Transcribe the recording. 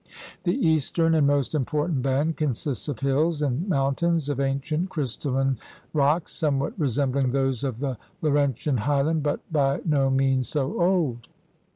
The eastern and most important band consists of hills and mountains of ancient crystalline rocks, somewhat resembling those of the Laurentian highland but by no means so old.